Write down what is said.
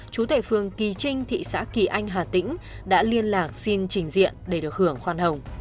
chú thệ phường kỳ trinh thị xã kỳ anh hà tĩnh đã liên lạc xin trình diện để được hưởng khoan hồng